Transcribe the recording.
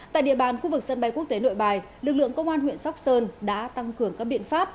tại địa bàn khu vực sân bay quốc tế nội bài lực lượng công an huyện sóc sơn đã tăng cường các biện pháp